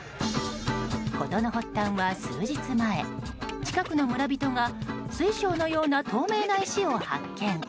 事の発端は数日前、近くの村人が水晶のような透明な石を発見。